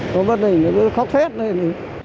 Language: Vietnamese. nó bắt đỉnh nó khóc thết lên